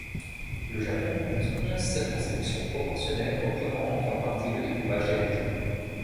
Le Japon compte onze circonscriptions proportionnelles reprenant en grande partie le découpage des régions.